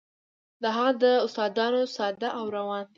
د هغه داستانونه ساده او روان دي.